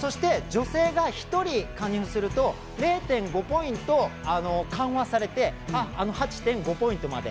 そして、女性が１人加入すると０．５ポイント緩和されて８．５ポイントまで。